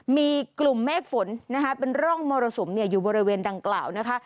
มีกลุ่มเมฆฝนนะคะเป็นร่องมรสุมอยู่บริเวณดังกล่าวนะคะ